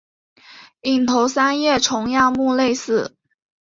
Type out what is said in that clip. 隐头三叶虫亚目类似。